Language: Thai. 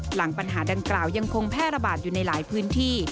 หลังปัญหาดังกล่าวยังคงแพร่ระบาดอยู่ในหลายพื้นที่